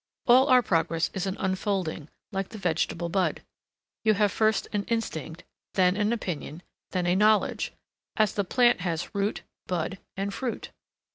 All our progress is an unfolding, like the vegetable bud. You have first an instinct, then an opinion, then a knowledge, as the plant has root, bud and fruit.